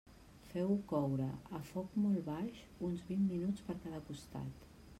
Feu-ho coure, a foc molt baix, uns vint minuts per cada costat.